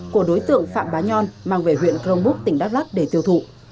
của đối tượng phạm bá nhon mang về huyện crong búc tỉnh đắk lắc để tiêu thụ